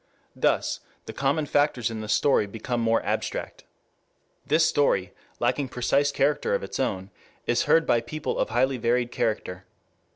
Thus the common factors in the story become more abstract. This story, lacking precise character of its own, is heard by people of highly varied character.